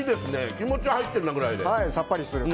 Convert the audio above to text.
気持ち入ってるなくらいで。